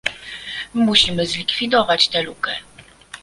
Musimy zlikwidować tę lukę